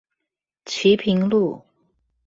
旗屏路